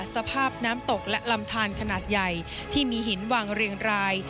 สภาพน้ำตกและลำทานขนาดใหญ่ที่มีหินวางเรียงราย